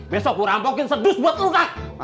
besok gue rampokin sedus buat lu tak